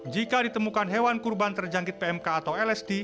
jika ditemukan hewan kurban terjangkit pmk atau lsd